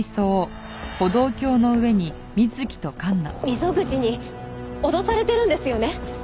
溝口に脅されてるんですよね？